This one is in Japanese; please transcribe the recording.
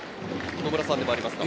野村さんでもありますか？